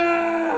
bapak harus sabar